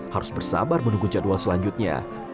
harus bersabar menunggu jadwal selanjutnya